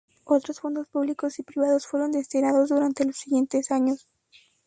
Otros fondos públicos y privados fueron destinados durante los siguientes años.